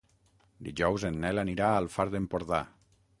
Dijous en Nel anirà al Far d'Empordà.